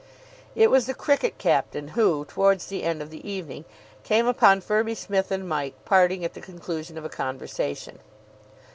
It was the cricket captain who, towards the end of the evening, came upon Firby Smith and Mike parting at the conclusion of a conversation.